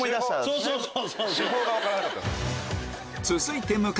そうそうそう。